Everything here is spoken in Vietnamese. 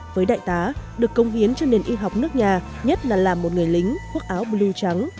với đại tá được công hiến cho nền y học nước nhà nhất là làm một người lính quốc áo blue trắng